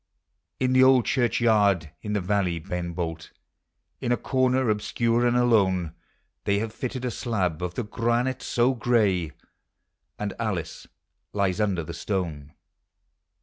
YOUTH. 223 In the old church yard in the valley, Ben Bolt, In a corner obscure aud alone, They have litted a slab of the granite so gray, And Alice lies under the stone.